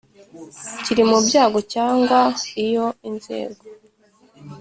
Kiri mu byago cyangwa iyo inzego